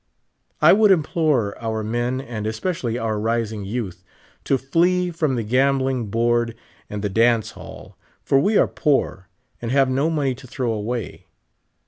I would implore our men, and especially our rising youth, to flee from the gambling board and the dance hall ; for we are poor, and have no mone}^ to throw away.